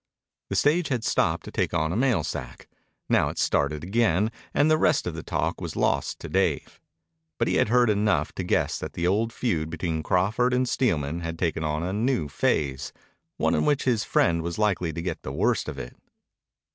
The stage had stopped to take on a mailsack. Now it started again, and the rest of the talk was lost to Dave. But he had heard enough to guess that the old feud between Crawford and Steelman had taken on a new phase, one in which his friend was likely to get the worst of it.